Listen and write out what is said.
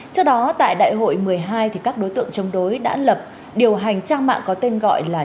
trước đó tại đại hội một mươi hai các đối tượng chống đối đã lập điều hành trang mạng có tên gọi là